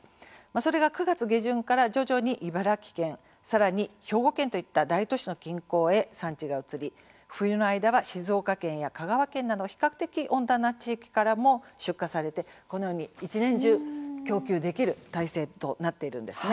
それが９月下旬から徐々に茨城県、さらに兵庫県といった大都市の近郊へ産地が移り冬の間は静岡県や香川県など比較的温暖な地域からも出荷されて、一年中、供給できる体制となっているんです。